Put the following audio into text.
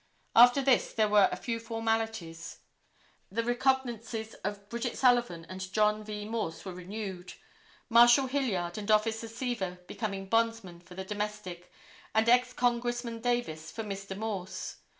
After this there were a few formalities. The recognizances of Bridget Sullivan and John V. Morse were renewed, Marshal Hilliard and Officer Seaver becoming bondsmen for the domestic and ex Congressman Davis for Mr. Morse.